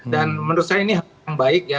dan menurut saya ini yang baik ya